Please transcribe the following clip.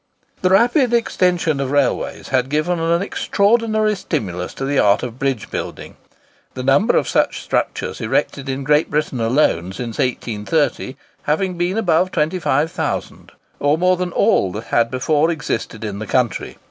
The rapid extension of railways had given an extraordinary stimulus to the art of bridge building; the number of such structures erected in Great Britain alone, since 1830, having been above 25,000, or more than all that had before existed in the country.